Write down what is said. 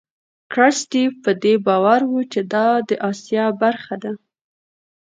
کرستیف په دې باور و چې دا د آسیا برخه ده.